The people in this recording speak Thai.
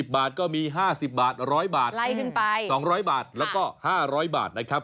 ๒๐บาทก็มี๕๐บาท๑๐๐บาท๒๐๐บาทแล้วก็๕๐๐บาทนะครับ